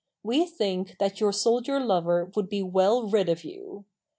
We think that your soldier lover would be well rid of you.